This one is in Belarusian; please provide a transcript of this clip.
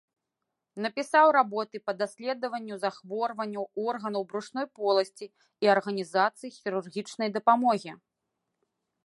Напісаў работы па даследаванню захворванняў органаў брушной поласці і арганізацыі хірургічнай дапамогі.